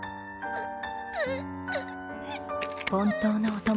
うっ。